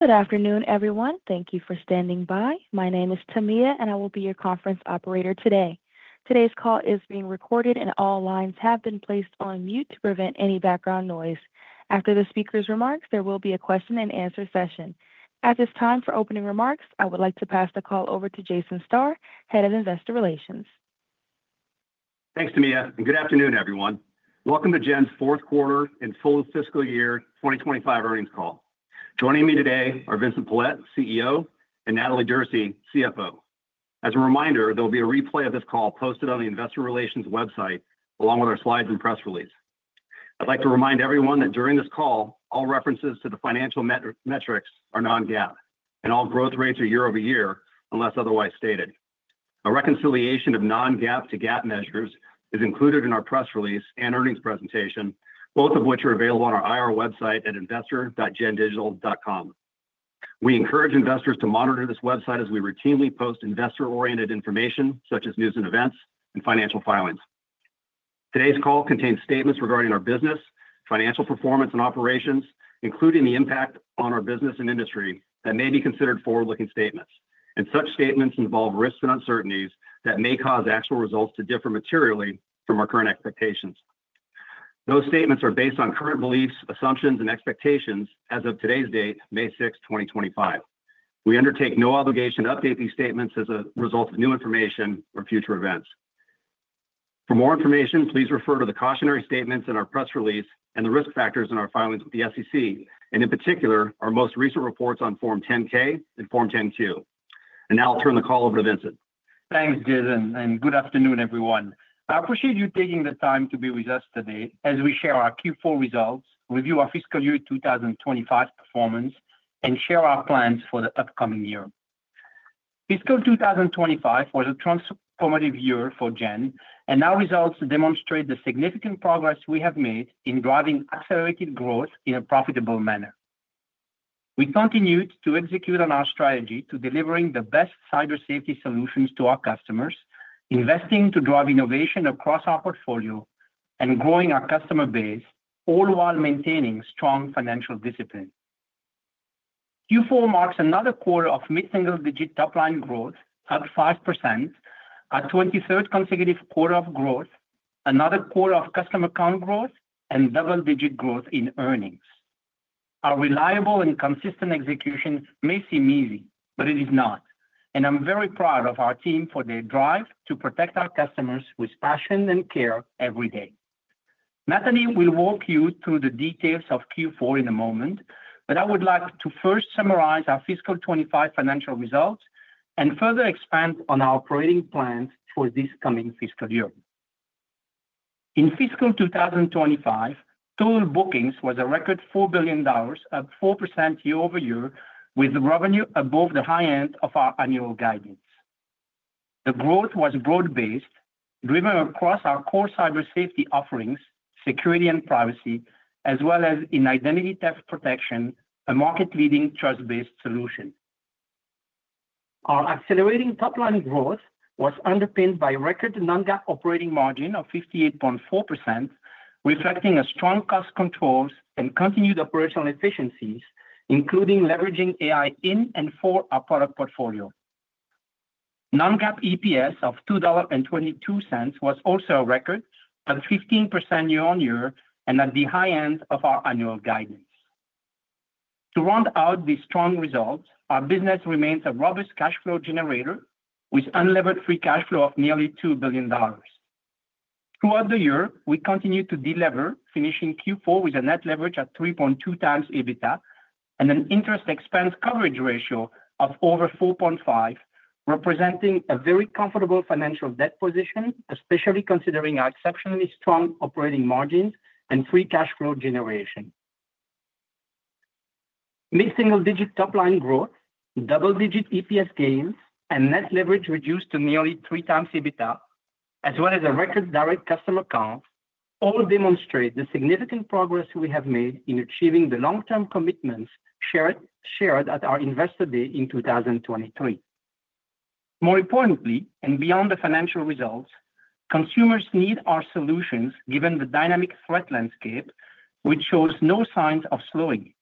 Good afternoon, everyone. Thank you for standing by. My name is Tamia, and I will be your conference operator today. Today's call is being recorded, and all lines have been placed on mute to prevent any background noise. After the speaker's remarks, there will be a question-and-answer session. At this time, for opening remarks, I would like to pass the call over to Jason Starr, Head of Investor Relations. Thanks, Tamia. Good afternoon, everyone. Welcome to Gen's Fourth Quarter and Full Fiscal Year 2025 Earnings Call. Joining me today are Vincent Pilette, CEO, and Natalie Derse, CFO. As a reminder, there will be a replay of this call posted on the Investor Relations website along with our slides and press release. I would like to remind everyone that during this call, all references to the financial metrics are non-GAAP, and all growth rates are year-over-year unless otherwise stated. A reconciliation of non-GAAP to GAAP measures is included in our press release and earnings presentation, both of which are available on our IR website at investor.gendigital.com. We encourage investors to monitor this website as we routinely post investor-oriented information such as news and events and financial filings. Today's call contains statements regarding our business, financial performance, and operations, including the impact on our business and industry that may be considered forward-looking statements. Such statements involve risks and uncertainties that may cause actual results to differ materially from our current expectations. Those statements are based on current beliefs, assumptions, and expectations as of today's date, May 6, 2025. We undertake no obligation to update these statements as a result of new information or future events. For more information, please refer to the cautionary statements in our press release and the risk factors in our filings with the SEC, and in particular, our most recent reports on Form 10-K and Form 10-Q. Now I'll turn the call over to Vincent. Thanks, Jason. Good afternoon, everyone. I appreciate you taking the time to be with us today as we share our Q4 results, review our fiscal year 2025 performance, and share our plans for the upcoming year. Fiscal 2025 was a transformative year for Gen, and our results demonstrate the significant progress we have made in driving accelerated growth in a profitable manner. We continued to execute on our strategy to deliver the best cybersafety solutions to our customers, investing to drive innovation across our portfolio and growing our customer base, all while maintaining strong financial discipline. Q4 marks another quarter of mid-single-digit top-line growth, up 5%, a 23rd consecutive quarter of growth, another quarter of customer count growth, and double-digit growth in earnings. Our reliable and consistent execution may seem easy, but it is not. I am very proud of our team for their drive to protect our customers with passion and care every day. Natalie will walk you through the details of Q4 in a moment, but I would like to first summarize our fiscal 2025 financial results and further expand on our operating plans for this coming fiscal year. In fiscal 2025, total bookings was a record $4 billion, up 4% year-over-year, with revenue above the high end of our annual guidance. The growth was broad-based, driven across our core cybersafety offerings, security and privacy, as well as in identity theft protection, a market-leading trust-based solution. Our accelerating top-line growth was underpinned by a record non-GAAP operating margin of 58.4%, reflecting strong cost controls and continued operational efficiencies, including leveraging AI in and for our product portfolio. Non-GAAP EPS of $2.22 was also a record, up 15% year-on-year and at the high end of our annual guidance. To round out these strong results, our business remains a robust cash flow generator with unlevered free cash flow of nearly $2 billion. Throughout the year, we continued to delever, finishing Q4 with a net leverage of 3.2 times EBITDA and an interest-expense coverage ratio of over 4.5, representing a very comfortable financial debt position, especially considering our exceptionally strong operating margins and free cash flow generation. Mid-single-digit top-line growth, double-digit EPS gains, and net leverage reduced to nearly three times EBITDA, as well as a record direct customer count, all demonstrate the significant progress we have made in achieving the long-term commitments shared at our Investor Day in 2023. More importantly, and beyond the financial results, consumers need our solutions given the dynamic threat landscape, which shows no signs of slowing.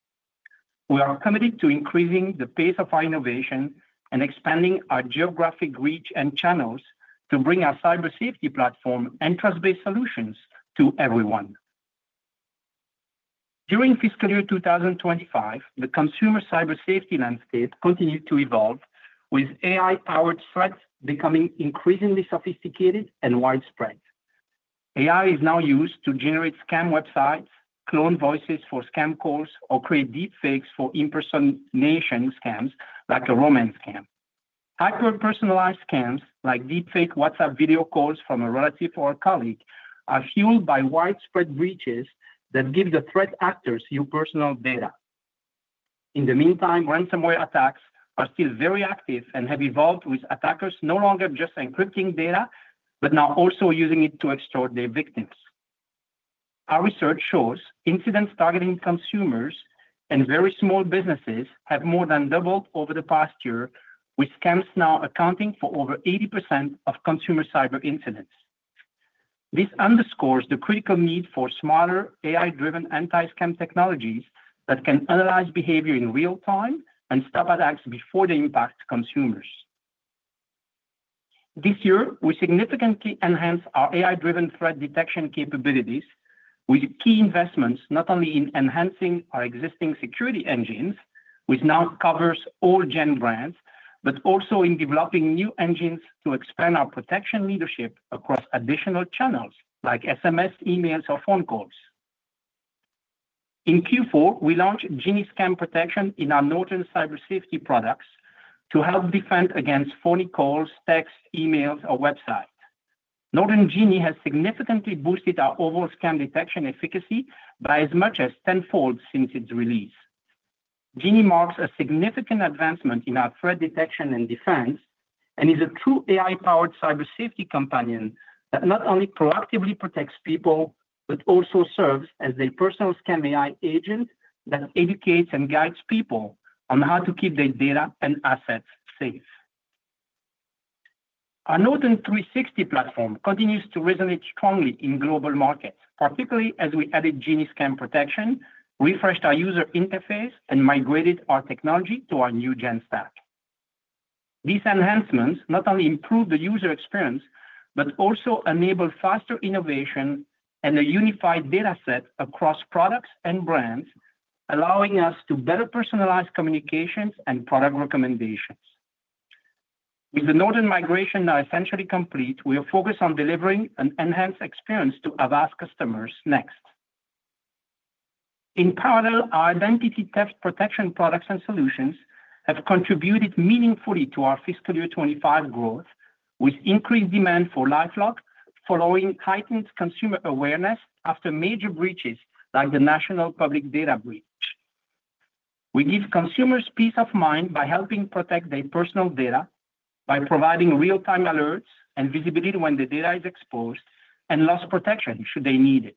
We are committed to increasing the pace of our innovation and expanding our geographic reach and channels to bring our cybersafety platform and trust-based solutions to everyone. During fiscal year 2025, the consumer cybersafety landscape continued to evolve, with AI-powered threats becoming increasingly sophisticated and widespread. AI is now used to generate scam websites, clone voices for scam calls, or create deepfakes for impersonation scams like a romance scam. Hyper-personalized scams like deepfake WhatsApp video calls from a relative or a colleague are fueled by widespread breaches that give the threat actors your personal data. In the meantime, ransomware attacks are still very active and have evolved with attackers no longer just encrypting data, but now also using it to extort their victims. Our research shows incidents targeting consumers and very small businesses have more than doubled over the past year, with scams now accounting for over 80% of consumer cyber incidents. This underscores the critical need for smarter AI-driven anti-scam technologies that can analyze behavior in real time and stop attacks before they impact consumers. This year, we significantly enhanced our AI-driven threat detection capabilities with key investments not only in enhancing our existing security engines, which now covers all Gen brands, but also in developing new engines to expand our protection leadership across additional channels like SMS, emails, or phone calls. In Q4, we launched Genie Scam Protection in our Norton cybersafety products to help defend against phony calls, texts, emails, or websites. Norton Genie has significantly boosted our overall scam detection efficacy by as much as tenfold since its release. Genie marks a significant advancement in our threat detection and defense and is a true AI-powered cybersafety companion that not only proactively protects people, but also serves as their personal scam AI agent that educates and guides people on how to keep their data and assets safe. Our Norton 360 platform continues to resonate strongly in global markets, particularly as we added Genie Scam Protection, refreshed our user interface, and migrated our technology to our new Gen stack. These enhancements not only improve the user experience, but also enable faster innovation and a unified data set across products and brands, allowing us to better personalize communications and product recommendations. With the Norton migration now essentially complete, we are focused on delivering an enhanced experience to our vast customers next. In parallel, our identity theft protection products and solutions have contributed meaningfully to our fiscal year 2025 growth, with increased demand for LifeLock following heightened consumer awareness after major breaches like the National Public Data Breach. We give consumers peace of mind by helping protect their personal data by providing real-time alerts and visibility when the data is exposed and loss protection should they need it.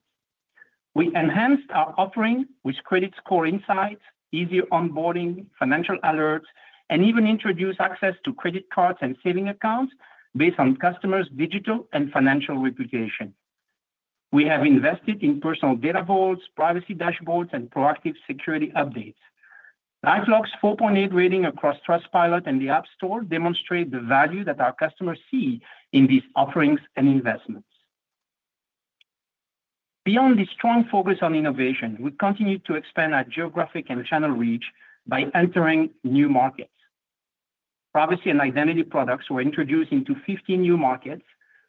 We enhanced our offering with credit score insights, easier onboarding, financial alerts, and even introduced access to credit cards and saving accounts based on customers' digital and financial reputation. We have invested in personal data vaults, privacy dashboards, and proactive security updates. LifeLock's 4.8 rating across TrustPilot and the App Store demonstrates the value that our customers see in these offerings and investments. Beyond the strong focus on innovation, we continue to expand our geographic and channel reach by entering new markets. Privacy and identity products were introduced into 15 new markets,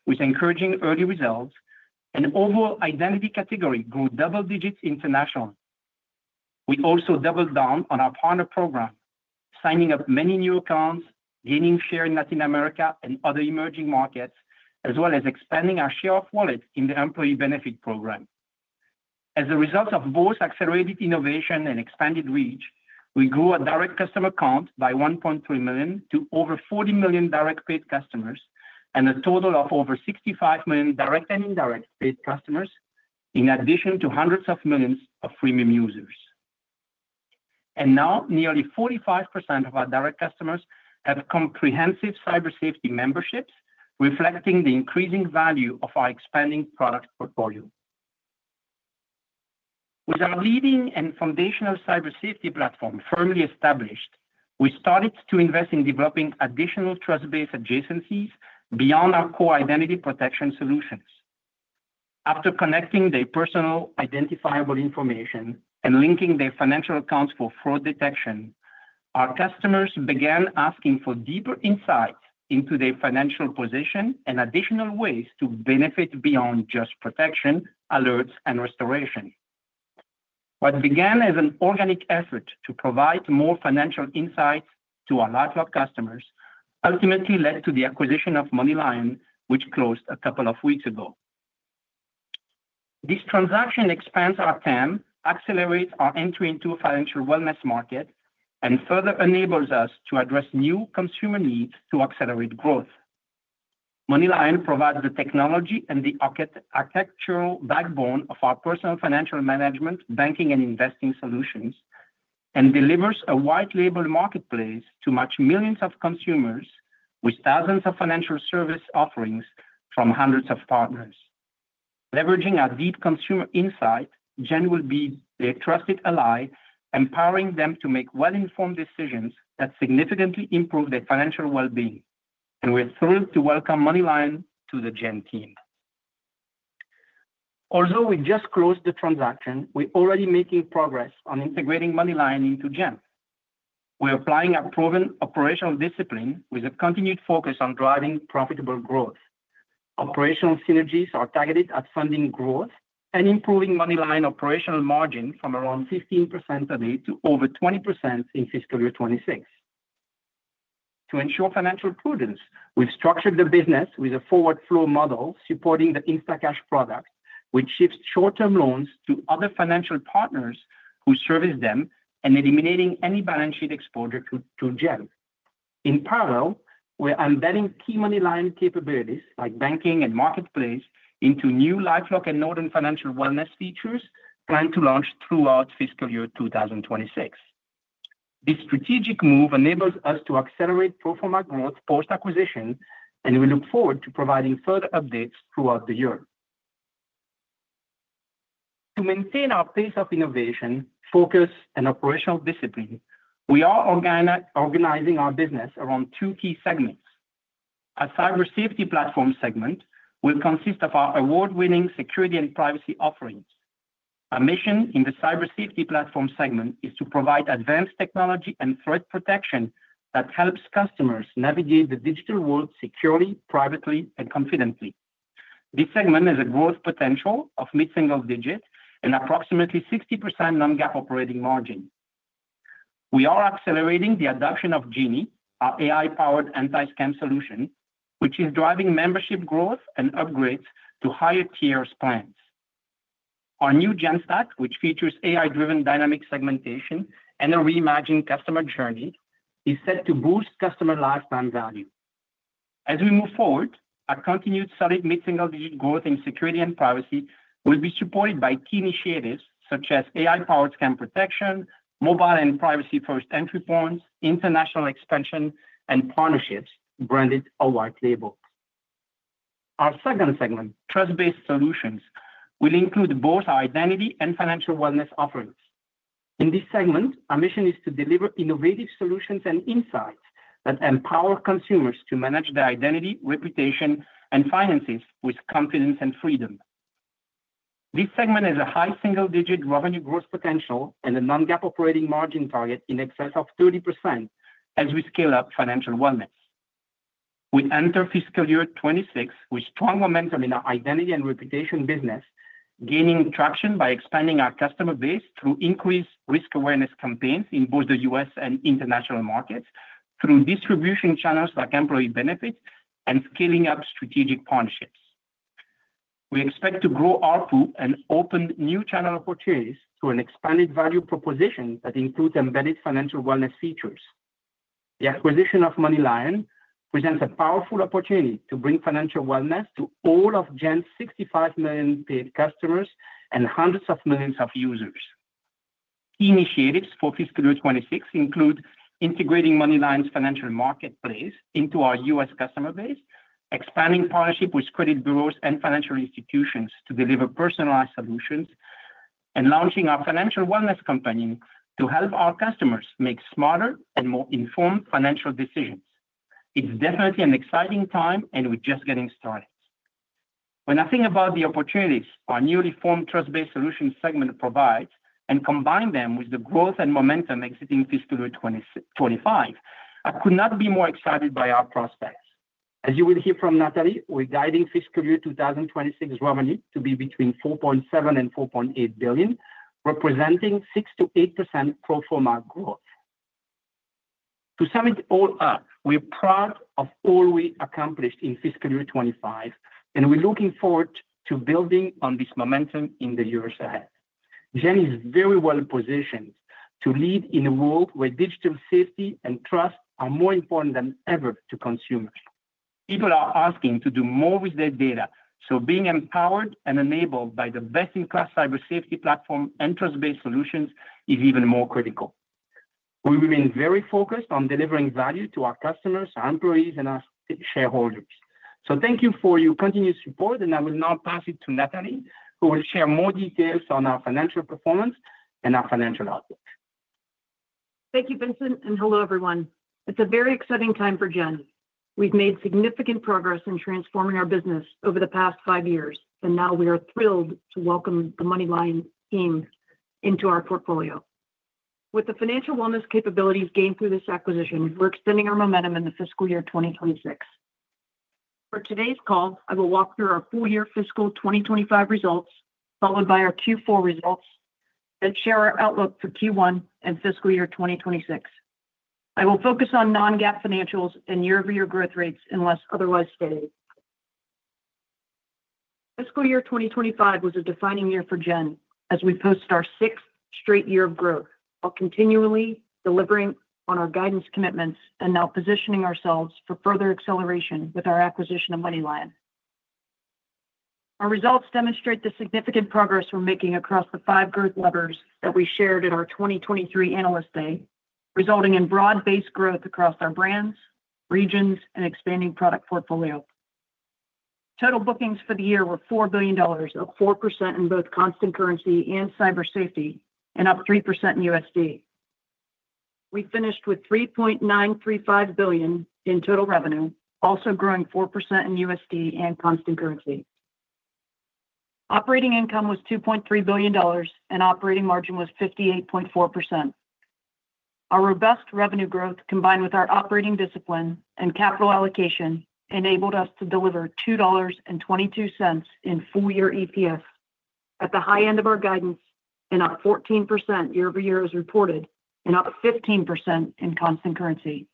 with encouraging early results, and overall identity category grew double digits internationally. We also doubled down on our partner program, signing up many new accounts, gaining share in Latin America and other emerging markets, as well as expanding our share of wallet in the employee benefit program. As a result of both accelerated innovation and expanded reach, we grew our direct customer count by 1.3 million to over 40 million direct paid customers and a total of over 65 million direct and indirect paid customers, in addition to hundreds of millions of freemium users. Now, nearly 45% of our direct customers have comprehensive cybersafety memberships, reflecting the increasing value of our expanding product portfolio. With our leading and foundational cybersafety platform firmly established, we started to invest in developing additional trust-based adjacencies beyond our core identity protection solutions. After connecting their personal identifiable information and linking their financial accounts for fraud detection, our customers began asking for deeper insights into their financial position and additional ways to benefit beyond just protection, alerts, and restoration. What began as an organic effort to provide more financial insights to our LifeLock customers ultimately led to the acquisition of MoneyLion, which closed a couple of weeks ago. This transaction expands our TAM, accelerates our entry into a financial wellness market, and further enables us to address new consumer needs to accelerate growth. MoneyLion provides the technology and the architectural backbone of our personal financial management, banking, and investing solutions and delivers a white-label marketplace to match millions of consumers with thousands of financial service offerings from hundreds of partners. Leveraging our deep consumer insight, Gen will be their trusted ally, empowering them to make well-informed decisions that significantly improve their financial well-being. We're thrilled to welcome MoneyLion to the Gen team. Although we just closed the transaction, we're already making progress on integrating MoneyLion into Gen. We're applying our proven operational discipline with a continued focus on driving profitable growth. Operational synergies are targeted at funding growth and improving MoneyLion operational margin from around 15% today to over 20% in fiscal year 2026. To ensure financial prudence, we've structured the business with a forward flow model supporting the InstaCash product, which shifts short-term loans to other financial partners who service them and eliminates any balance sheet exposure to Gen. In parallel, we're embedding key MoneyLion capabilities like banking and marketplace into new LifeLock and Norton financial wellness features planned to launch throughout fiscal year 2026. This strategic move enables us to accelerate profile growth post-acquisition, and we look forward to providing further updates throughout the year. To maintain our pace of innovation, focus, and operational discipline, we are organizing our business around two key segments. Our cybersafety platform segment will consist of our award-winning security and privacy offerings. Our mission in the cybersafety platform segment is to provide advanced technology and threat protection that helps customers navigate the digital world securely, privately, and confidently. This segment has a growth potential of mid-single digit and approximately 60% non-GAAP operating margin. We are accelerating the adoption of Genie, our AI-powered anti-scam solution, which is driving membership growth and upgrades to higher tiers plans. Our new Gen stack, which features AI-driven dynamic segmentation and a reimagined customer journey, is set to boost customer lifetime value. As we move forward, our continued solid mid-single digit growth in security and privacy will be supported by key initiatives such as AI-powered scam protection, mobile and privacy-first entry points, international expansion, and partnerships branded or white-labeled. Our second segment, trust-based solutions, will include both our identity and financial wellness offerings. In this segment, our mission is to deliver innovative solutions and insights that empower consumers to manage their identity, reputation, and finances with confidence and freedom. This segment has a high single-digit revenue growth potential and a non-GAAP operating margin target in excess of 30% as we scale up financial wellness. We enter fiscal year 2026 with strong momentum in our identity and reputation business, gaining traction by expanding our customer base through increased risk awareness campaigns in both the U.S. and international markets, through distribution channels like employee benefits and scaling up strategic partnerships. We expect to grow our pool and open new channel opportunities through an expanded value proposition that includes embedded financial wellness features. The acquisition of MoneyLion presents a powerful opportunity to bring financial wellness to all of Gen's 65 million paid customers and hundreds of millions of users. Key initiatives for fiscal year 2026 include integrating MoneyLion's financial marketplace into our U.S. customer base, expanding partnerships with credit bureaus and financial institutions to deliver personalized solutions, and launching our financial wellness company to help our customers make smarter and more informed financial decisions. It's definitely an exciting time, and we're just getting started. When I think about the opportunities our newly formed trust-based solution segment provides and combine them with the growth and momentum exiting fiscal year 2025, I could not be more excited by our prospects. As you will hear from Natalie, we're guiding fiscal year 2026 revenue to be between $4.7 billion and $4.8 billion, representing 6%-8% profile market growth. To sum it all up, we're proud of all we accomplished in fiscal year 2025, and we're looking forward to building on this momentum in the years ahead. Gen is very well positioned to lead in a world where digital safety and trust are more important than ever to consumers. People are asking to do more with their data, so being empowered and enabled by the best-in-class cybersafety platform and trust-based solutions is even more critical. We remain very focused on delivering value to our customers, our employees, and our shareholders. Thank you for your continued support, and I will now pass it to Natalie, who will share more details on our financial performance and our financial outlook. Thank you, Vincent, and hello, everyone. It's a very exciting time for Gen. We've made significant progress in transforming our business over the past five years, and now we are thrilled to welcome the MoneyLion team into our portfolio. With the financial wellness capabilities gained through this acquisition, we're extending our momentum in the fiscal year 2026. For today's call, I will walk through our full year fiscal 2025 results, followed by our Q4 results, then share our outlook for Q1 and fiscal year 2026. I will focus on non-GAAP financials and year-over-year growth rates unless otherwise stated. Fiscal year 2025 was a defining year for Gen as we posted our sixth straight year of growth while continually delivering on our guidance commitments and now positioning ourselves for further acceleration with our acquisition of MoneyLion. Our results demonstrate the significant progress we're making across the five growth levers that we shared at our 2023 analyst day, resulting in broad-based growth across our brands, regions, and expanding product portfolio. Total bookings for the year were $4 billion, up 4% in both constant currency and cybersafety, and up 3% in USD. We finished with $3.935 billion in total revenue, also growing 4% in USD and constant currency. Operating income was $2.3 billion, and operating margin was 58.4%. Our robust revenue growth, combined with our operating discipline and capital allocation, enabled us to deliver $2.22 in full year EPS at the high end of our guidance, and up 14% year-over-year as reported, and up 15% in constant currency.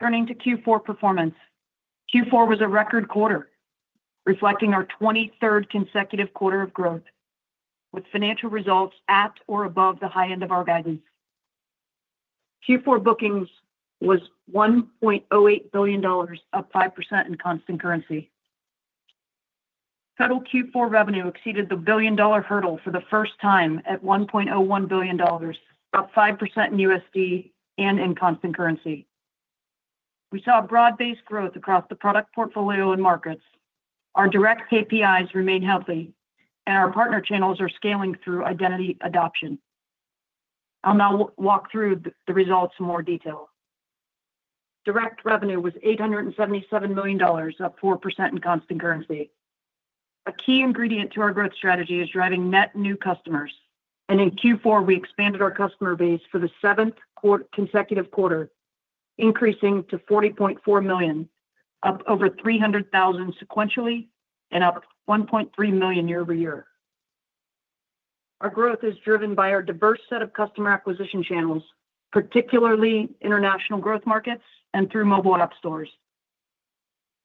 Turning to Q4 performance, Q4 was a record quarter, reflecting our 23rd consecutive quarter of growth, with financial results at or above the high end of our guidance. Q4 bookings was $1.08 billion, up 5% in constant currency. Total Q4 revenue exceeded the billion-dollar hurdle for the first time at $1.01 billion, up 5% in USD and in constant currency. We saw broad-based growth across the product portfolio and markets. Our direct KPIs remain healthy, and our partner channels are scaling through identity adoption. I'll now walk through the results in more detail. Direct revenue was $877 million, up 4% in constant currency. A key ingredient to our growth strategy is driving net new customers, and in Q4, we expanded our customer base for the seventh consecutive quarter, increasing to 40.4 million, up over 300,000 sequentially and up 1.3 million year-over-year. Our growth is driven by our diverse set of customer acquisition channels, particularly international growth markets and through mobile app stores.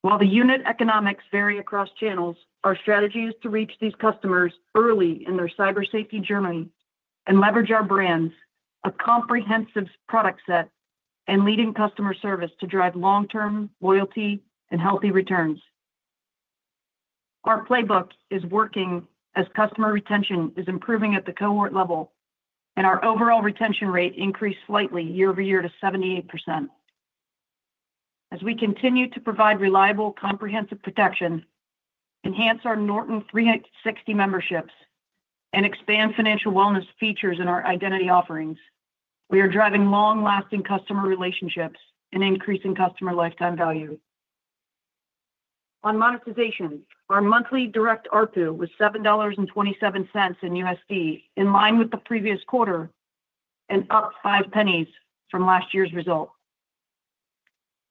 While the unit economics vary across channels, our strategy is to reach these customers early in their cybersafety journey and leverage our brands, a comprehensive product set, and leading customer service to drive long-term loyalty and healthy returns. Our playbook is working as customer retention is improving at the cohort level, and our overall retention rate increased slightly year-over-year to 78%. As we continue to provide reliable, comprehensive protection, enhance our Norton 360 memberships, and expand financial wellness features in our identity offerings, we are driving long-lasting customer relationships and increasing customer lifetime value. On monetization, our monthly direct RPU was $7.27 in USD, in line with the previous quarter, and up five pennies from last year's result.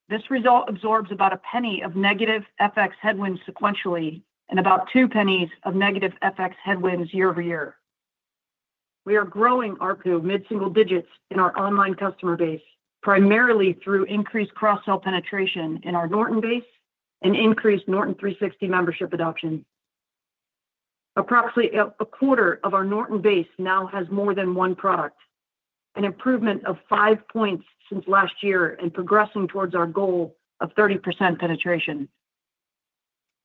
This result absorbs about a penny of negative FX headwinds sequentially and about two pennies of negative FX headwinds year-over-year. We are growing RPU mid-single digits in our online customer base, primarily through increased cross-sell penetration in our Norton base and increased Norton 360 membership adoption. Approximately a quarter of our Norton base now has more than one product, an improvement of five percentage points since last year and progressing towards our goal of 30% penetration.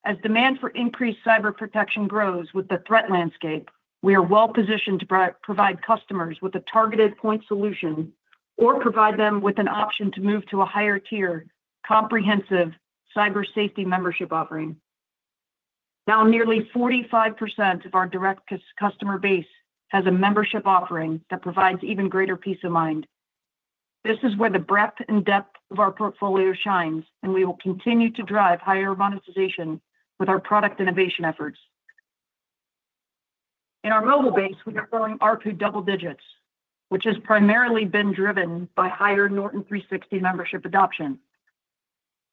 As demand for increased cyber protection grows with the threat landscape, we are well positioned to provide customers with a targeted point solution or provide them with an option to move to a higher tier comprehensive cybersafety membership offering. Now, nearly 45% of our direct customer base has a membership offering that provides even greater peace of mind. This is where the breadth and depth of our portfolio shines, and we will continue to drive higher monetization with our product innovation efforts. In our mobile base, we are growing RPU double digits, which has primarily been driven by higher Norton 360 membership adoption.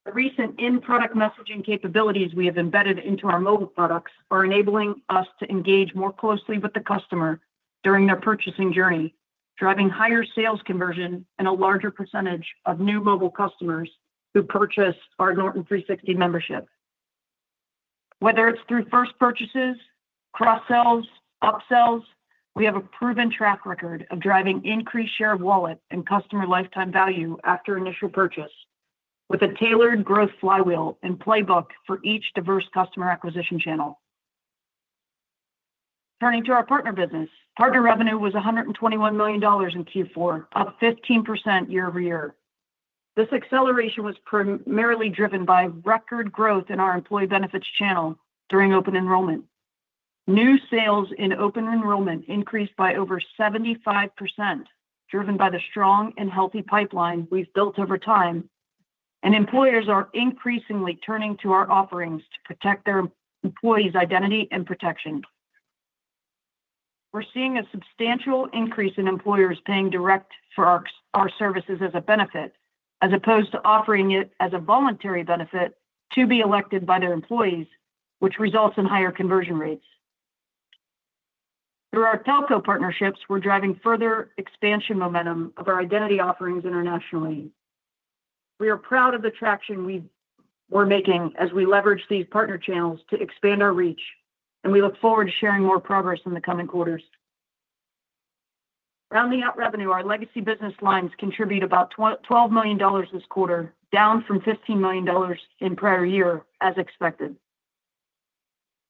The recent in-product messaging capabilities we have embedded into our mobile products are enabling us to engage more closely with the customer during their purchasing journey, driving higher sales conversion and a larger percentage of new mobile customers who purchase our Norton 360 membership. Whether it's through first purchases, cross-sells, up-sells, we have a proven track record of driving increased share of wallet and customer lifetime value after initial purchase, with a tailored growth flywheel and playbook for each diverse customer acquisition channel. Turning to our partner business, partner revenue was $121 million in Q4, up 15% year-over-year. This acceleration was primarily driven by record growth in our employee benefits channel during open enrollment. New sales in open enrollment increased by over 75%, driven by the strong and healthy pipeline we've built over time, and employers are increasingly turning to our offerings to protect their employees' identity and protection. We're seeing a substantial increase in employers paying direct for our services as a benefit, as opposed to offering it as a voluntary benefit to be elected by their employees, which results in higher conversion rates. Through our telco partnerships, we're driving further expansion momentum of our identity offerings internationally. We are proud of the traction we're making as we leverage these partner channels to expand our reach, and we look forward to sharing more progress in the coming quarters. Rounding out revenue, our legacy business lines contribute about $12 million this quarter, down from $15 million in prior year, as expected.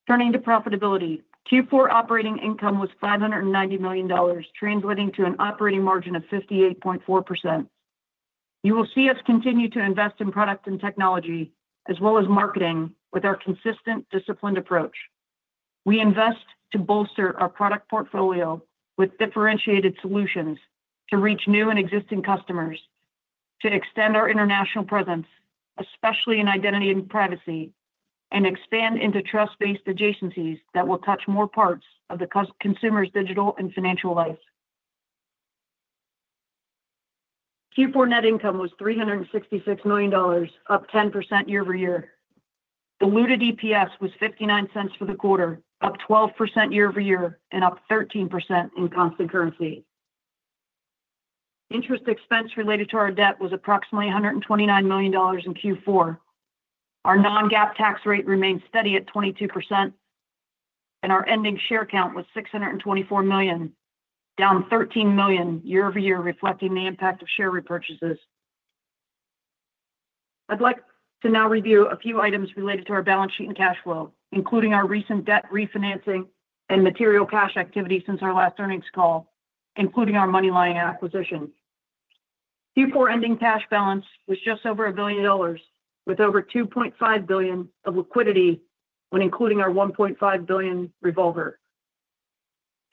Turning to profitability, Q4 operating income was $590 million, translating to an operating margin of 58.4%. You will see us continue to invest in product and technology, as well as marketing, with our consistent, disciplined approach. We invest to bolster our product portfolio with differentiated solutions to reach new and existing customers, to extend our international presence, especially in identity and privacy, and expand into trust-based adjacencies that will touch more parts of the consumer's digital and financial life. Q4 net income was $366 million, up 10% year-over-year. Diluted EPS was $0.59 for the quarter, up 12% year-over-year, and up 13% in constant currency. Interest expense related to our debt was approximately $129 million in Q4. Our non-GAAP tax rate remained steady at 22%, and our ending share count was 624 million, down 13 million year-over-year, reflecting the impact of share repurchases. I'd like to now review a few items related to our balance sheet and cash flow, including our recent debt refinancing and material cash activity since our last earnings call, including our MoneyLion acquisition. Q4 ending cash balance was just over $1 billion, with over $2.5 billion of liquidity when including our $1.5 billion revolver.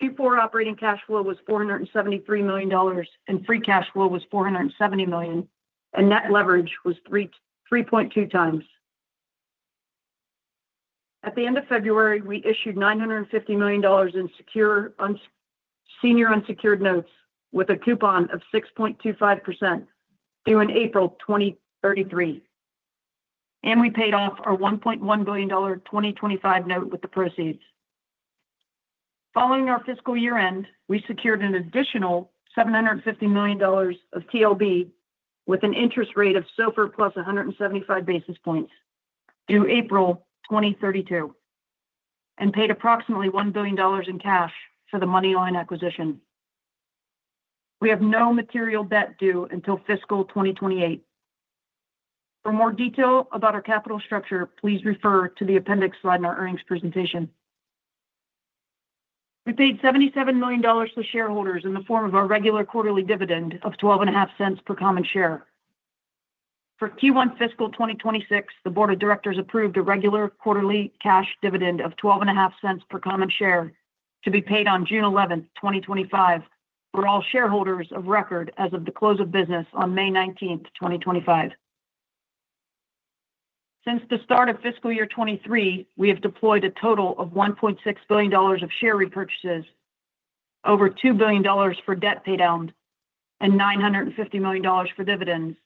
Q4 operating cash flow was $473 million, and free cash flow was $470 million, and net leverage was 3.2 times. At the end of February, we issued $950 million in senior unsecured notes with a coupon of 6.25% due in April 2033, and we paid off our $1.1 billion 2025 note with the proceeds. Following our fiscal year-end, we secured an additional $750 million of TLB with an interest rate of SOFR plus 175 basis points due April 2032, and paid approximately $1 billion in cash for the MoneyLion acquisition. We have no material debt due until fiscal 2028. For more detail about our capital structure, please refer to the appendix slide in our earnings presentation. We paid $77 million to shareholders in the form of our regular quarterly dividend of $12.50 per common share. For Q1 fiscal 2026, the board of directors approved a regular quarterly cash dividend of $12.50 per common share to be paid on June 11, 2025, for all shareholders of record as of the close of business on May 19, 2025. Since the start of fiscal year 2023, we have deployed a total of $1.6 billion of share repurchases, over $2 billion for debt paid out, and $950 million for dividends,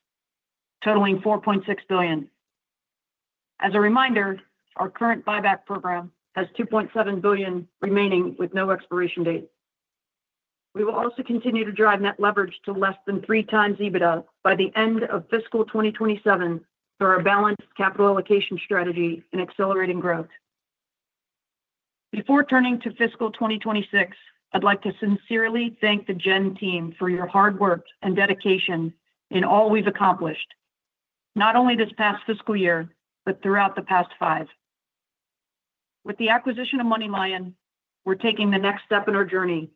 totaling $4.6 billion. As a reminder, our current buyback program has $2.7 billion remaining with no expiration date. We will also continue to drive net leverage to less than three times EBITDA by the end of fiscal 2027 through our balanced capital allocation strategy and accelerating growth. Before turning to fiscal 2026, I'd like to sincerely thank the Gen Team for your hard work and dedication in all we've accomplished, not only this past fiscal year, but throughout the past five. With the acquisition of MoneyLion, we're taking the next step in our journey,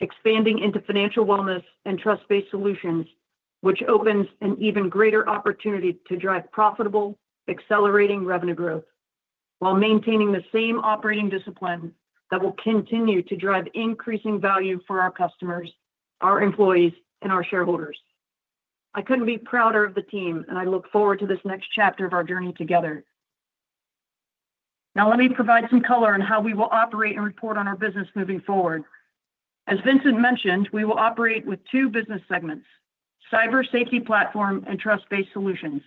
expanding into financial wellness and trust-based solutions, which opens an even greater opportunity to drive profitable, accelerating revenue growth while maintaining the same operating discipline that will continue to drive increasing value for our customers, our employees, and our shareholders. I couldn't be prouder of the team, and I look forward to this next chapter of our journey together. Now, let me provide some color on how we will operate and report on our business moving forward. As Vincent mentioned, we will operate with two business segments: cybersafety platform and trust-based solutions.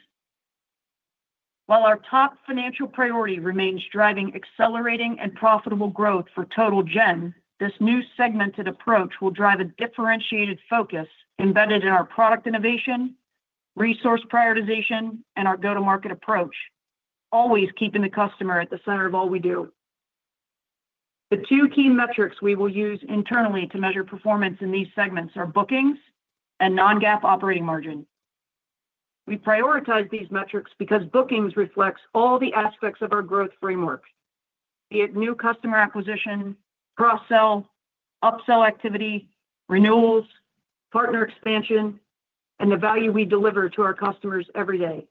While our top financial priority remains driving accelerating and profitable growth for total Gen, this new segmented approach will drive a differentiated focus embedded in our product innovation, resource prioritization, and our go-to-market approach, always keeping the customer at the center of all we do. The two key metrics we will use internally to measure performance in these segments are bookings and non-GAAP operating margin. We prioritize these metrics because bookings reflects all the aspects of our growth framework, be it new customer acquisition, cross-sell, up-sell activity, renewals, partner expansion, and the value we deliver to our customers every day.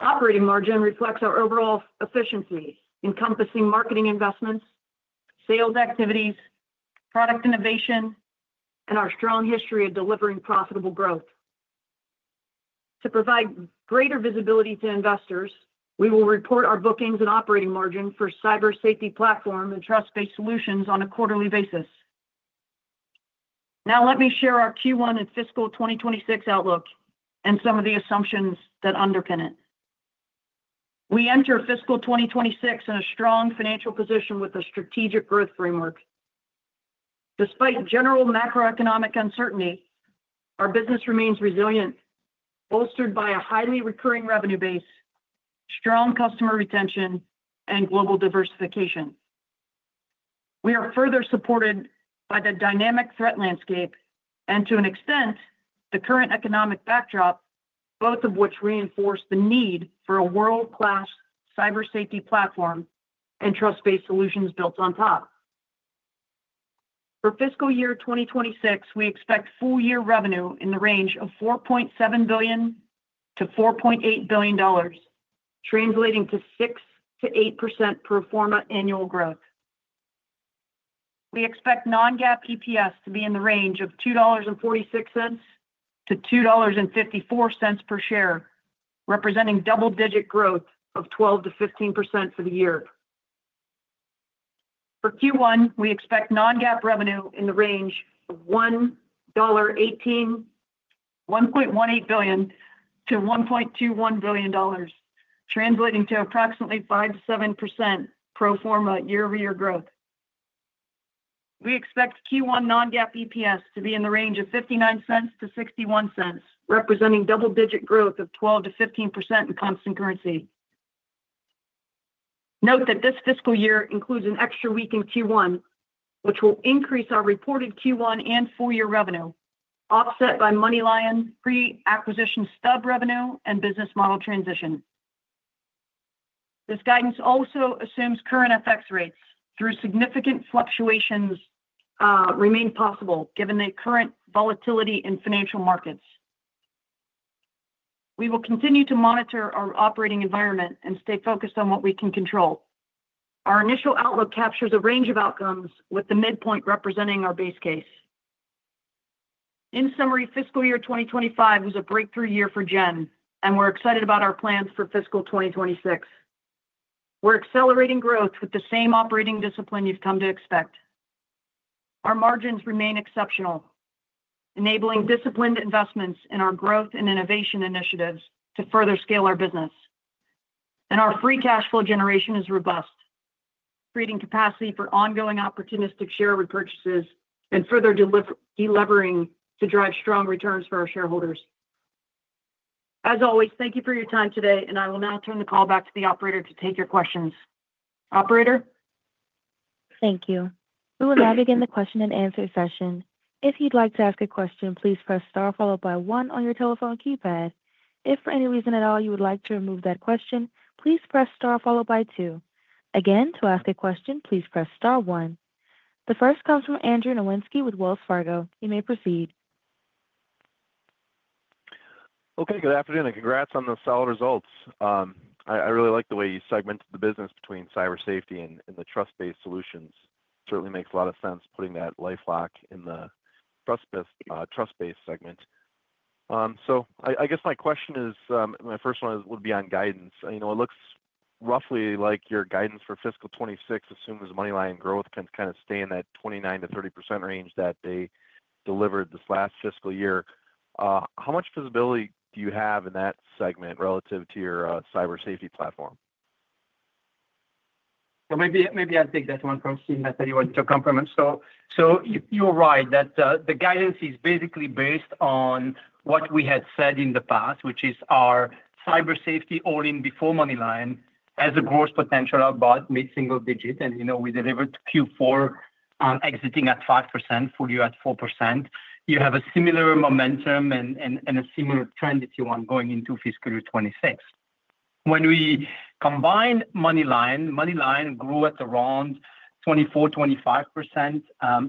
Operating margin reflects our overall efficiency, encompassing marketing investments, sales activities, product innovation, and our strong history of delivering profitable growth. To provide greater visibility to investors, we will report our bookings and operating margin for cybersafety platform and trust-based solutions on a quarterly basis. Now, let me share our Q1 and fiscal 2026 outlook and some of the assumptions that underpin it. We enter fiscal 2026 in a strong financial position with a strategic growth framework. Despite general macroeconomic uncertainty, our business remains resilient, bolstered by a highly recurring revenue base, strong customer retention, and global diversification. We are further supported by the dynamic threat landscape and, to an extent, the current economic backdrop, both of which reinforce the need for a world-class cybersafety platform and trust-based solutions built on top. For fiscal year 2026, we expect full-year revenue in the range of $4.7 billion-$4.8 billion, translating to 6%-8% proforma annual growth. We expect non-GAAP EPS to be in the range of $2.46-$2.54 per share, representing double-digit growth of 12%-15% for the year. For Q1, we expect non-GAAP revenue in the range of $1.18 billion-$1.21 billion, translating to approximately 5%-7% proforma year-over-year growth. We expect Q1 non-GAAP EPS to be in the range of $0.59-$0.61, representing double-digit growth of 12%-15% in constant currency. Note that this fiscal year includes an extra week in Q1, which will increase our reported Q1 and full-year revenue, offset by MoneyLion pre-acquisition stub revenue and business model transition. This guidance also assumes current FX rates, though significant fluctuations remain possible given the current volatility in financial markets. We will continue to monitor our operating environment and stay focused on what we can control. Our initial outlook captures a range of outcomes, with the midpoint representing our base case. In summary, fiscal year 2025 was a breakthrough year for Gen, and we're excited about our plans for fiscal 2026. We're accelerating growth with the same operating discipline you've come to expect. Our margins remain exceptional, enabling disciplined investments in our growth and innovation initiatives to further scale our business. Our free cash flow generation is robust, creating capacity for ongoing opportunistic share repurchases and further delivering to drive strong returns for our shareholders. As always, thank you for your time today, and I will now turn the call back to the operator to take your questions. Operator? Thank you. We will now begin the question and answer session. If you'd like to ask a question, please press Star followed by 1 on your telephone keypad. If for any reason at all you would like to remove that question, please press Star followed by 2. Again, to ask a question, please press Star 1. The first comes from Andrew Nowinski with Wells Fargo. You may proceed. Okay. Good afternoon, and congrats on the solid results. I really like the way you segmented the business between cybersafety and the trust-based solutions. Certainly makes a lot of sense putting that LifeLock in the trust-based segment. I guess my question is, my first one would be on guidance. It looks roughly like your guidance for fiscal 2026 assumes MoneyLion growth can kind of stay in that 29%-30% range that they delivered this last fiscal year. How much visibility do you have in that segment relative to your cybersafety platform? Maybe I'll take that one first, seeing that you wanted to comment. You're right that the guidance is basically based on what we had said in the past, which is our cybersafety all-in before MoneyLion as a gross potential about mid-single digit. We delivered Q4 exiting at 5%, full-year at 4%. You have a similar momentum and a similar trend, if you want, going into fiscal year 2026. When we combine MoneyLion, MoneyLion grew at around 24%-25%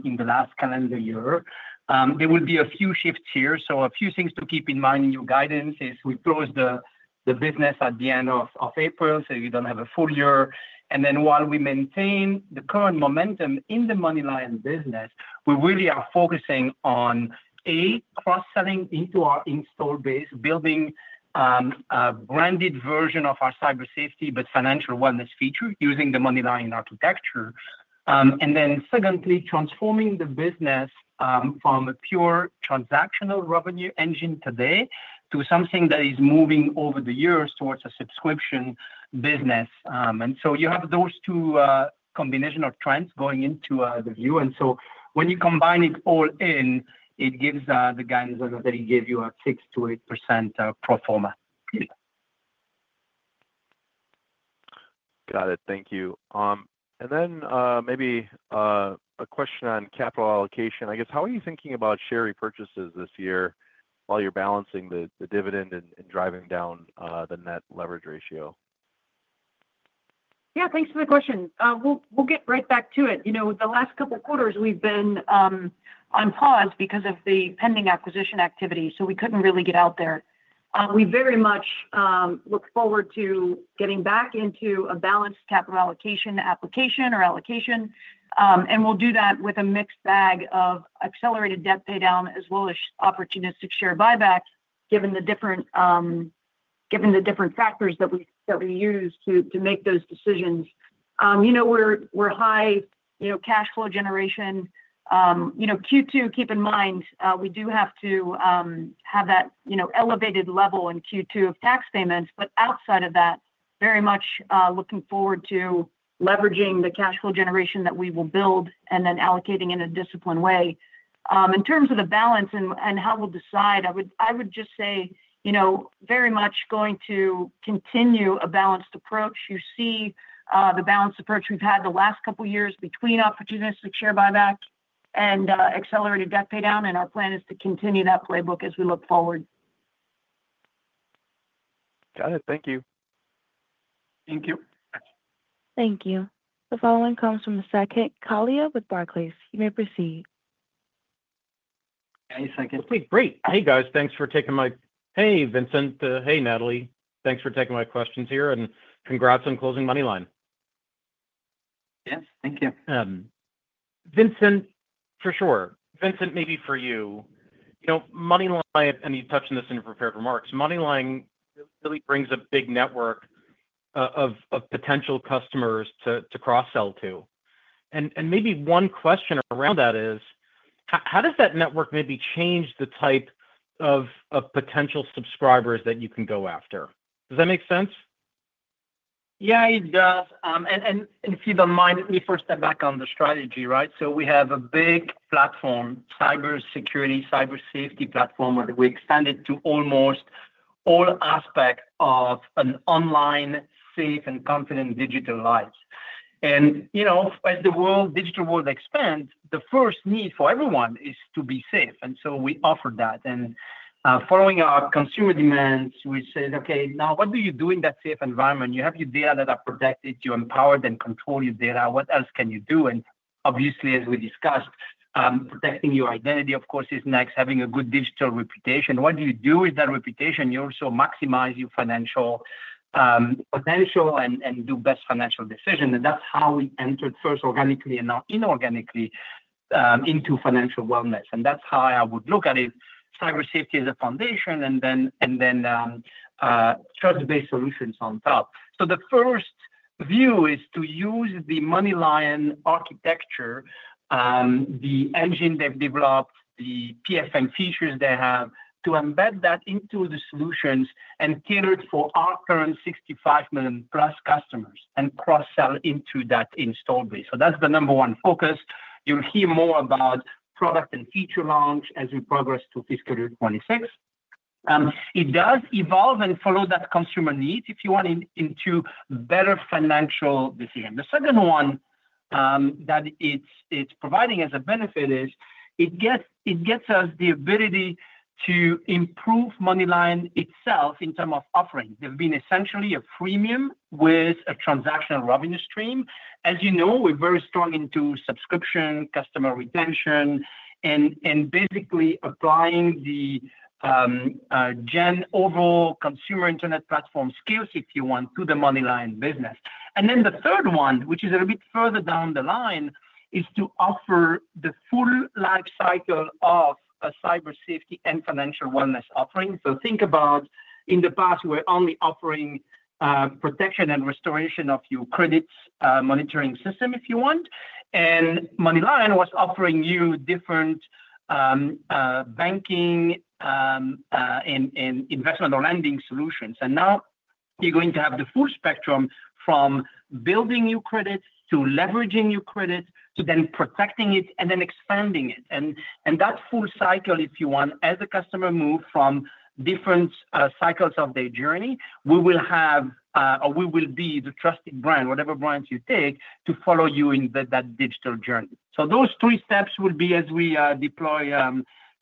in the last calendar year. There will be a few shifts here. A few things to keep in mind in your guidance is we close the business at the end of April, so you don't have a full year. While we maintain the current momentum in the MoneyLion business, we really are focusing on, A, cross-selling into our installed base, building a branded version of our cybersafety but financial wellness feature using the MoneyLion architecture. Secondly, transforming the business from a pure transactional revenue engine today to something that is moving over the years towards a subscription business. You have those two combinations of trends going into the view. When you combine it all in, it gives the guidance that I gave you at 6%-8% pro forma. Got it. Thank you. Maybe a question on capital allocation. I guess, how are you thinking about share repurchases this year while you're balancing the dividend and driving down the net leverage ratio? Yeah, thanks for the question. We'll get right back to it. The last couple of quarters, we've been on pause because of the pending acquisition activity, so we couldn't really get out there. We very much look forward to getting back into a balanced capital allocation application or allocation. We'll do that with a mixed bag of accelerated debt pay down as well as opportunistic share buyback, given the different factors that we use to make those decisions. We're high cash flow generation. Q2, keep in mind, we do have to have that elevated level in Q2 of tax payments, but outside of that, very much looking forward to leveraging the cash flow generation that we will build and then allocating in a disciplined way. In terms of the balance and how we'll decide, I would just say very much going to continue a balanced approach. You see the balanced approach we've had the last couple of years between opportunistic share buyback and accelerated debt pay down, and our plan is to continue that playbook as we look forward. Got it. Thank you. Thank you. Thank you. The following comes from the second, Kalia with Barclays. You may proceed. Any second. Hey, great. Hey, guys. Thanks for taking my—hey, Vincent. Hey, Natalie. Thanks for taking my questions here. Congrats on closing MoneyLion. Yes. Thank you. Vincent, for sure. Vincent, maybe for you. MoneyLion, and you touched on this in your prepared remarks, MoneyLion really brings a big network of potential customers to cross-sell to. Maybe one question around that is, how does that network maybe change the type of potential subscribers that you can go after? Does that make sense? Yeah, it does. If you don't mind, let me first step back on the strategy, right? We have a big platform, cybersafety platform, where we extend it to almost all aspects of an online safe and confident digital life. As the digital world expands, the first need for everyone is to be safe. We offer that. Following our consumer demands, we said, "Okay, now what do you do in that safe environment? You have your data that are protected. You empower them to control your data. What else can you do?" Obviously, as we discussed, protecting your identity, of course, is next. Having a good digital reputation. What do you do with that reputation? You also maximize your financial potential and do best financial decisions. That's how we entered first organically and now inorganically into financial wellness. That's how I would look at it. Cybersafety is a foundation, and then trust-based solutions on top. The first view is to use the MoneyLion architecture, the engine they've developed, the PFM features they have to embed that into the solutions and tailor it for our current 65 million-plus customers and cross-sell into that installed base. That's the number one focus. You'll hear more about product and feature launch as we progress to fiscal year 2026. It does evolve and follow that consumer need, if you want, into better financial decisions. The second one that it's providing as a benefit is it gets us the ability to improve MoneyLion itself in terms of offering. They've been essentially a freemium with a transactional revenue stream. As you know, we're very strong into subscription, customer retention, and basically applying the Gen overall consumer internet platform skills, if you want, to the MoneyLion business. The third one, which is a bit further down the line, is to offer the full lifecycle of a cybersafety and financial wellness offering. Think about in the past, we were only offering protection and restoration of your credit monitoring system, if you want. MoneyLion was offering you different banking and investment or lending solutions. Now you're going to have the full spectrum from building your credit to leveraging your credit to then protecting it and then expanding it. That full cycle, if you want, as a customer moves from different cycles of their journey, we will have or we will be the trusted brand, whatever brands you take, to follow you in that digital journey. Those three steps will be as we deploy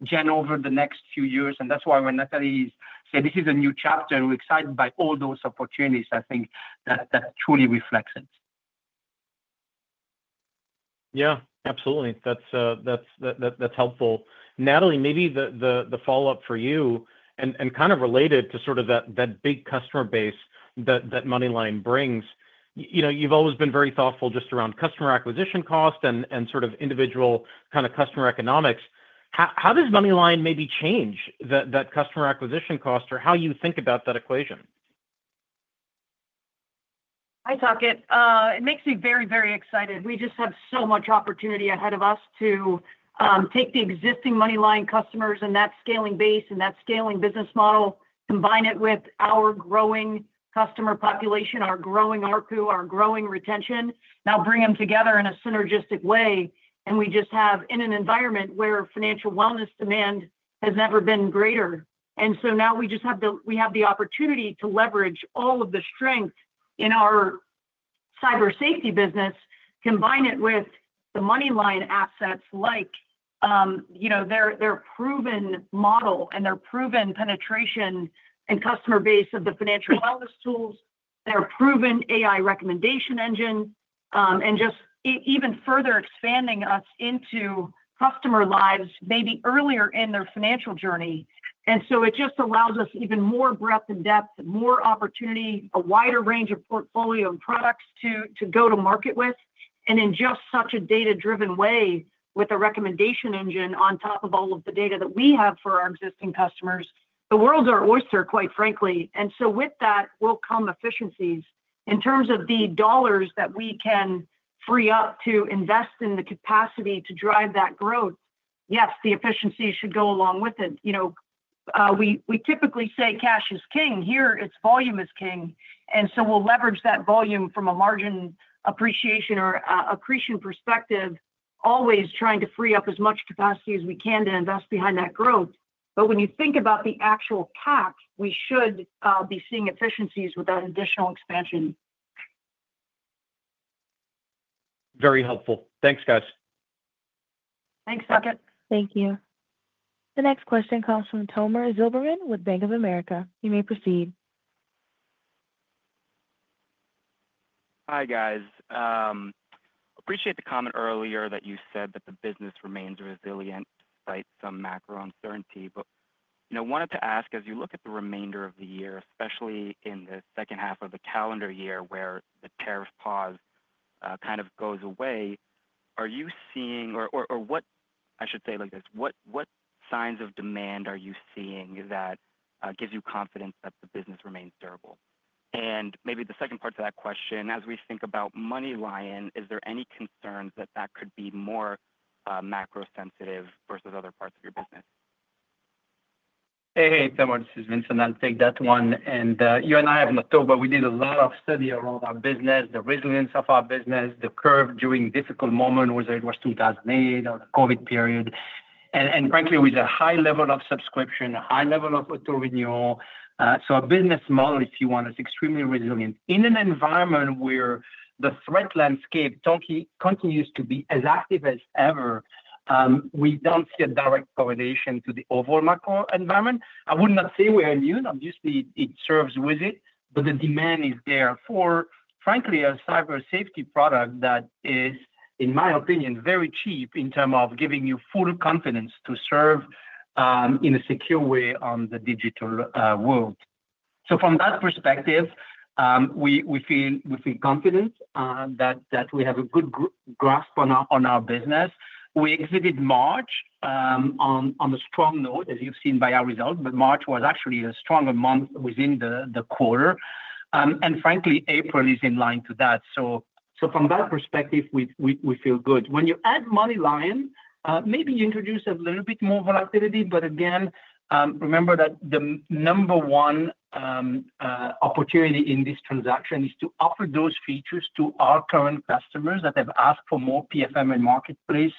Gen over the next few years. That is why when Natalie said, "This is a new chapter," we are excited by all those opportunities. I think that truly reflects it. Yeah, absolutely. That's helpful. Natalie, maybe the follow-up for you and kind of related to sort of that big customer base that MoneyLion brings, you've always been very thoughtful just around customer acquisition cost and sort of individual kind of customer economics. How does MoneyLion maybe change that customer acquisition cost or how you think about that equation? I talk it. It makes me very, very excited. We just have so much opportunity ahead of us to take the existing MoneyLion customers and that scaling base and that scaling business model, combine it with our growing customer population, our growing RPU, our growing retention, now bring them together in a synergistic way. We just have in an environment where financial wellness demand has never been greater. Now we just have the opportunity to leverage all of the strength in our cybersafety business, combine it with the MoneyLion assets like their proven model and their proven penetration and customer base of the financial wellness tools, their proven AI recommendation engine, and just even further expanding us into customer lives maybe earlier in their financial journey. It just allows us even more breadth and depth, more opportunity, a wider range of portfolio and products to go to market with. In just such a data-driven way with a recommendation engine on top of all of the data that we have for our existing customers, the world's our oyster, quite frankly. With that will come efficiencies in terms of the dollars that we can free up to invest in the capacity to drive that growth. Yes, the efficiency should go along with it. We typically say cash is king. Here, it's volume is king. We will leverage that volume from a margin appreciation or accretion perspective, always trying to free up as much capacity as we can to invest behind that growth. When you think about the actual cap, we should be seeing efficiencies with that additional expansion. Very helpful. Thanks, guys. Thanks, Saket. Thank you. The next question comes from Tomer Zilberman with Bank of America. You may proceed. Hi, guys. Appreciate the comment earlier that you said that the business remains resilient despite some macro uncertainty. I wanted to ask, as you look at the remainder of the year, especially in the second half of the calendar year where the tariff pause kind of goes away, are you seeing or what I should say like this, what signs of demand are you seeing that gives you confidence that the business remains durable? Maybe the second part to that question, as we think about MoneyLion, is there any concerns that that could be more macro-sensitive versus other parts of your business? Hey, hey, Tomer. This is Vincent. I'll take that one. You and I have not talked, but we did a lot of study around our business, the resilience of our business, the curve during difficult moments, whether it was 2008 or the COVID period. Frankly, with a high level of subscription, a high level of auto renewal, our business model, if you want, is extremely resilient in an environment where the threat landscape continues to be as active as ever. We don't see a direct correlation to the overall macro environment. I would not say we're immune. Obviously, it serves with it, but the demand is there for, frankly, a cybersafety product that is, in my opinion, very cheap in terms of giving you full confidence to serve in a secure way on the digital world. From that perspective, we feel confident that we have a good grasp on our business. We exited March on a strong note, as you've seen by our results. March was actually a stronger month within the quarter. Frankly, April is in line to that. From that perspective, we feel good. When you add MoneyLion, maybe you introduce a little bit more volatility. Again, remember that the number one opportunity in this transaction is to offer those features to our current customers that have asked for more PFM and marketplace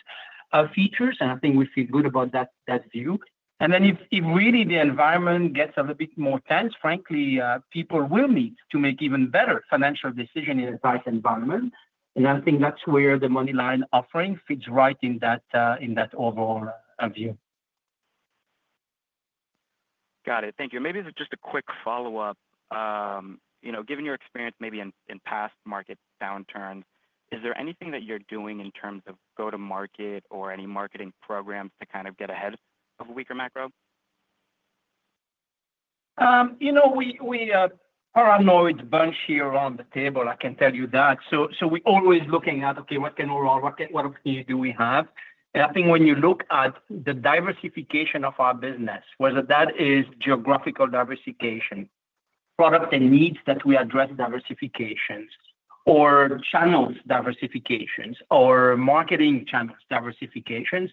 features. I think we feel good about that view. If really the environment gets a little bit more tense, frankly, people will need to make even better financial decisions in a tight environment. I think that's where the MoneyLion offering fits right in that overall view. Got it. Thank you. Maybe just a quick follow-up. Given your experience maybe in past market downturns, is there anything that you're doing in terms of go-to-market or any marketing programs to kind of get ahead of weaker macro? You know, we are a knowledgeable bunch here around the table, I can tell you that. We are always looking at, okay, what can we do? What opportunity do we have? I think when you look at the diversification of our business, whether that is geographical diversification, product and needs that we address diversifications, or channels diversifications, or marketing channels diversifications,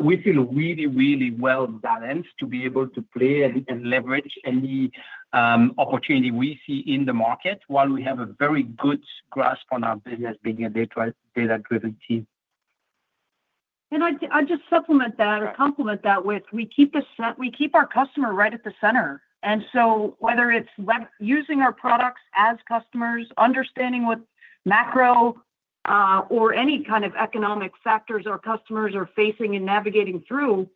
we feel really, really well balanced to be able to play and leverage any opportunity we see in the market while we have a very good grasp on our business being a data-driven team. I'll just supplement that or complement that with we keep our customer right at the center. Whether it's using our products as customers, understanding what macro or any kind of economic factors our customers are facing and navigating through,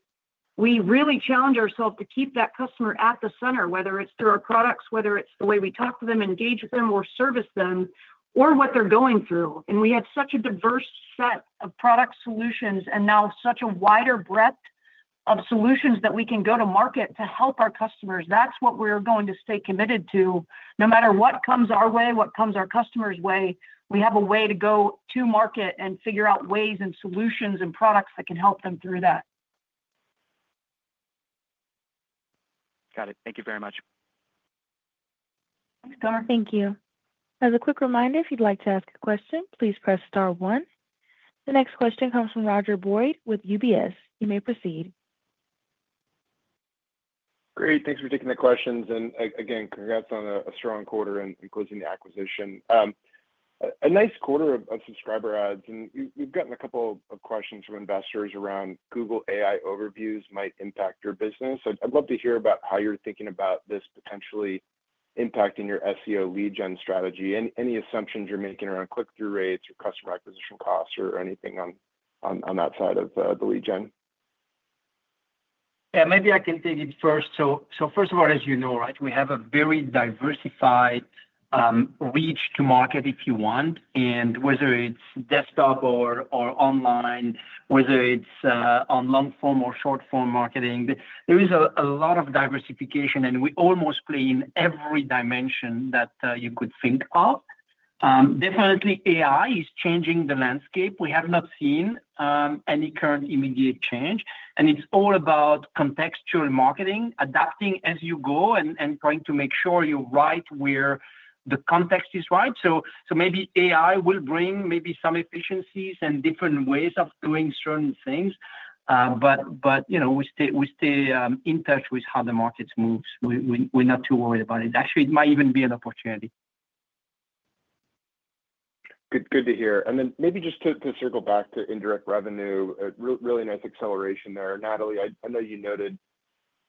we really challenge ourselves to keep that customer at the center, whether it's through our products, whether it's the way we talk to them, engage with them, or service them, or what they're going through. We have such a diverse set of product solutions and now such a wider breadth of solutions that we can go to market to help our customers. That's what we're going to stay committed to. No matter what comes our way, what comes our customers' way, we have a way to go to market and figure out ways and solutions and products that can help them through that. Got it. Thank you very much. Thank you. As a quick reminder, if you'd like to ask a question, please press star one. The next question comes from Roger Boyd with UBS. You may proceed. Great. Thanks for taking the questions. Again, congrats on a strong quarter and closing the acquisition. A nice quarter of subscriber ads. We've gotten a couple of questions from investors around Google AI overviews might impact your business. I'd love to hear about how you're thinking about this potentially impacting your SEO lead gen strategy. Any assumptions you're making around click-through rates or customer acquisition costs or anything on that side of the lead gen? Yeah, maybe I can take it first. First of all, as you know, right, we have a very diversified reach to market, if you want. Whether it's desktop or online, whether it's on long-form or short-form marketing, there is a lot of diversification, and we almost play in every dimension that you could think of. Definitely, AI is changing the landscape. We have not seen any current immediate change. It is all about contextual marketing, adapting as you go and trying to make sure you're right where the context is right. Maybe AI will bring maybe some efficiencies and different ways of doing certain things. We stay in touch with how the market moves. We're not too worried about it. Actually, it might even be an opportunity. Good to hear. Maybe just to circle back to indirect revenue, really nice acceleration there. Natalie, I know you noted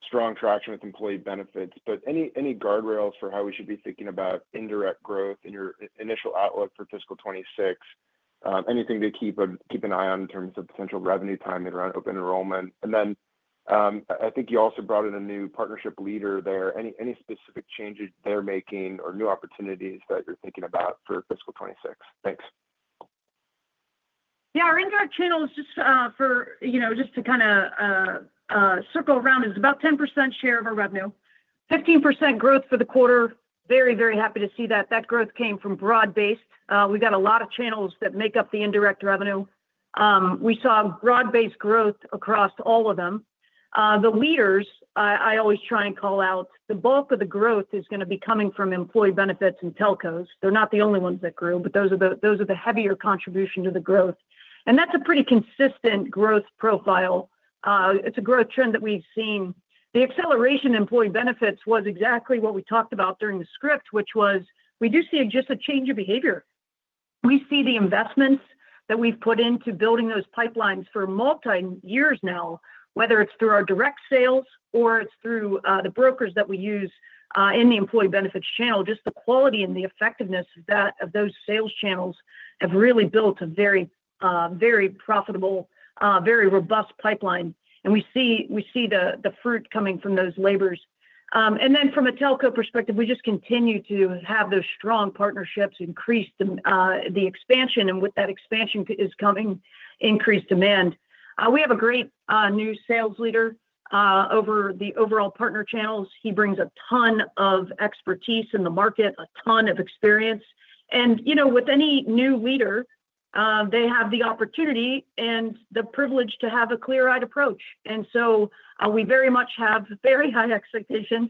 strong traction with employee benefits, but any guardrails for how we should be thinking about indirect growth in your initial outlook for fiscal 2026? Anything to keep an eye on in terms of potential revenue timing around open enrollment? I think you also brought in a new partnership leader there. Any specific changes they are making or new opportunities that you are thinking about for fiscal 2026? Thanks. Yeah, our indirect channels, just to kind of circle around, is about 10% share of our revenue, 15% growth for the quarter. Very, very happy to see that. That growth came from broad-based. We've got a lot of channels that make up the indirect revenue. We saw broad-based growth across all of them. The leaders, I always try and call out, the bulk of the growth is going to be coming from employee benefits and telcos. They're not the only ones that grew, but those are the heavier contribution to the growth. That is a pretty consistent growth profile. It's a growth trend that we've seen. The acceleration in employee benefits was exactly what we talked about during the script, which was we do see just a change of behavior. We see the investments that we've put into building those pipelines for multi-years now, whether it's through our direct sales or it's through the brokers that we use in the employee benefits channel. Just the quality and the effectiveness of those sales channels have really built a very, very profitable, very robust pipeline. We see the fruit coming from those labors. From a telco perspective, we just continue to have those strong partnerships, increase the expansion, and with that expansion is coming increased demand. We have a great new sales leader over the overall partner channels. He brings a ton of expertise in the market, a ton of experience. With any new leader, they have the opportunity and the privilege to have a clear-eyed approach. We very much have very high expectations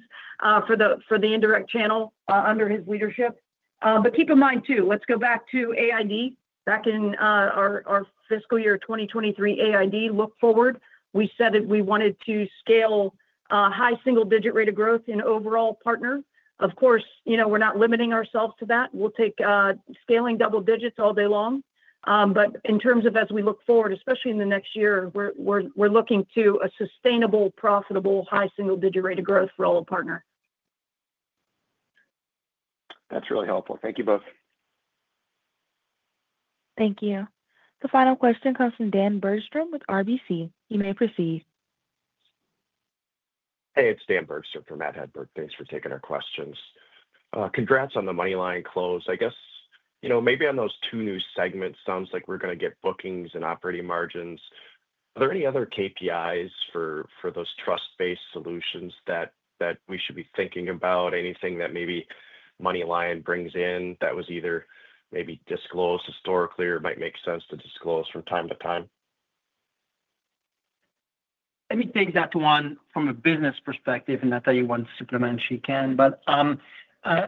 for the indirect channel under his leadership. Keep in mind too, let's go back to AID. Back in our fiscal year 2023, AID, look forward. We said that we wanted to scale high single-digit rate of growth in overall partner. Of course, we're not limiting ourselves to that. We'll take scaling double digits all day long. In terms of as we look forward, especially in the next year, we're looking to a sustainable, profitable, high single-digit rate of growth for all partners. That's really helpful. Thank you both. Thank you. The final question comes from Dan Bergstrom with RBC. You may proceed. Hey, it's Dan Bergstrom from Matt Hedberg. Thanks for taking our questions. Congrats on the MoneyLion close. I guess maybe on those two new segments, sounds like we're going to get bookings and operating margins. Are there any other KPIs for those trust-based solutions that we should be thinking about? Anything that maybe MoneyLion brings in that was either maybe disclosed historically or might make sense to disclose from time to time? Let me take that one from a business perspective, and Natalie wants to supplement if she can. We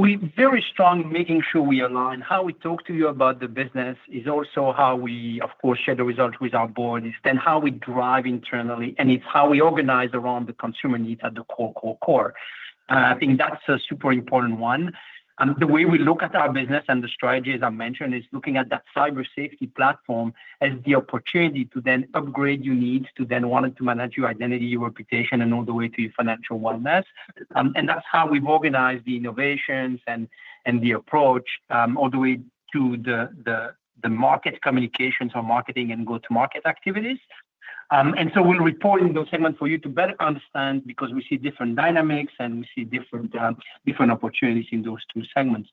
are very strong in making sure we align. How we talk to you about the business is also how we, of course, share the results with our board, is then how we drive internally. It is how we organize around the consumer needs at the core, core, core. I think that is a super important one. The way we look at our business and the strategies, I mentioned, is looking at that cybersafety platform as the opportunity to then upgrade your needs to then wanting to manage your identity, your reputation, and all the way to your financial wellness. That is how we have organized the innovations and the approach all the way to the market communications or marketing and go-to-market activities. We will report in those segments for you to better understand because we see different dynamics and we see different opportunities in those two segments.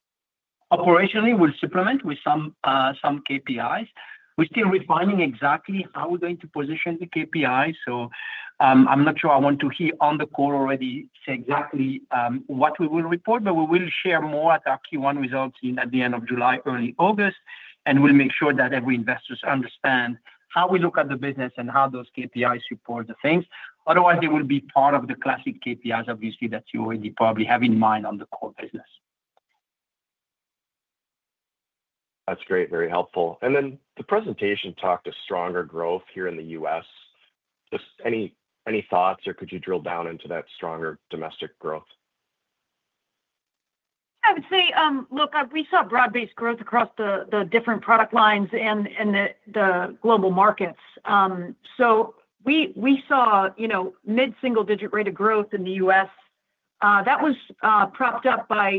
Operationally, we will supplement with some KPIs. We are still refining exactly how we are going to position the KPIs. I am not sure I want to here on the call already say exactly what we will report, but we will share more at our Q1 results at the end of July, early August. We will make sure that every investor understands how we look at the business and how those KPIs support the things. Otherwise, they will be part of the classic KPIs, obviously, that you already probably have in mind on the core business. That's great. Very helpful. The presentation talked to stronger growth here in the U.S. Just any thoughts or could you drill down into that stronger domestic growth? I would say, look, we saw broad-based growth across the different product lines and the global markets. We saw mid-single-digit rate of growth in the U.S. That was propped up by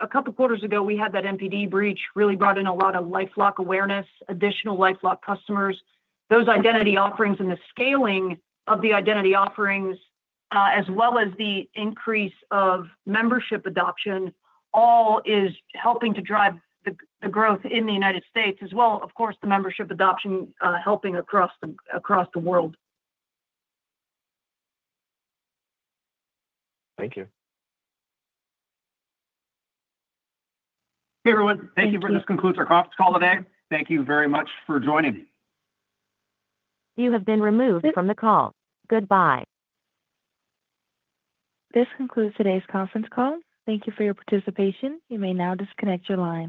a couple of quarters ago. We had that NPD breach really brought in a lot of LifeLock awareness, additional LifeLock customers. Those identity offerings and the scaling of the identity offerings, as well as the increase of membership adoption, all is helping to drive the growth in the United States as well. Of course, the membership adoption helping across the world. Thank you. Hey, everyone. Thank you for this. This concludes our conference call today. Thank you very much for joining. You have been removed from the call. Goodbye. This concludes today's conference call. Thank you for your participation. You may now disconnect your line.